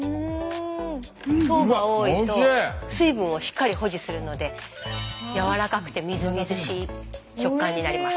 糖が多いと水分をしっかり保持するのでやわらかくてみずみずしい食感になります。